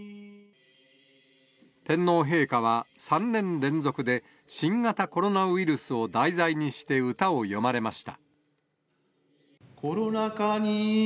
天皇陛下は、３年連続で、新型コロナウイルスを題材にして歌を詠まれました。